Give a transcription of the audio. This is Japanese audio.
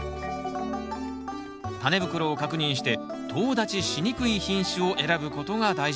タネ袋を確認してとう立ちしにくい品種を選ぶことが大事。